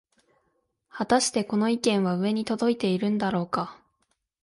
はたしてこの意見は上に届いているんだろうか